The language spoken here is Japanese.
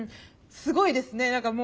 すごいですね。